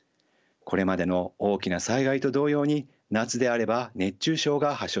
これまでの大きな災害と同様に夏であれば熱中症が発症します。